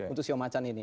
untuk ceo macan ini